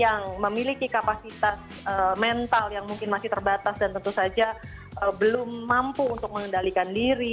yang memiliki kapasitas mental yang mungkin masih terbatas dan tentu saja belum mampu untuk mengendalikan diri